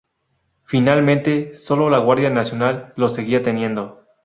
Finalmente, sólo la Guardia Nacional los seguía teniendo.